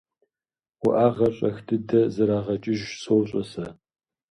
УӀэгъэр щӀэх дыдэ зэрагъэкӀыж сощӀэ сэ.